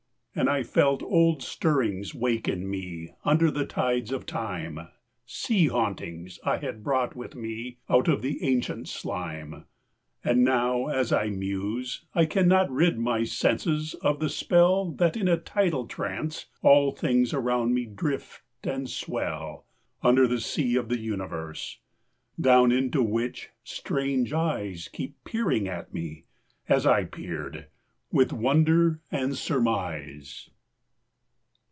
And I felt old stirrings wake in me, under the tides of time, Sea hauntings I had brought with me out of the ancient slime. And now, as I muse, I cannot rid my senses of the spell That in a tidal trance all things around me drift and swell Under the sea of the Universe, down into which strange eyes Keep peering at me, as I peered, with wonder and surmise.